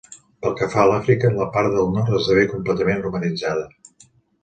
Pel que fa a l'Àfrica, la part del nord esdevé completament romanitzada.